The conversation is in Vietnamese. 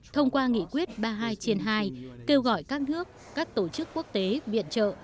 thông qua nghị quyết ba mươi hai hai kêu gọi các nước các tổ chức quốc tế viện trợ